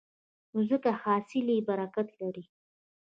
نو ځکه حاصل یې برکت لري.